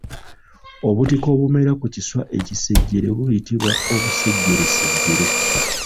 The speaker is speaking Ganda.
Obutiko obumera ku kinswa ekisejjere buyitibwa obusejjeresejjere.